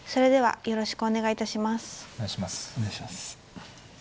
お願いします。